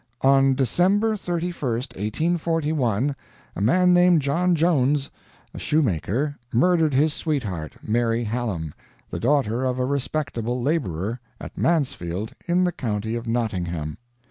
"On December 31, 1841, a man named John Johnes, a shoemaker, murdered his sweetheart, Mary Hallam, the daughter of a respectable laborer, at Mansfield, in the county of Nottingham.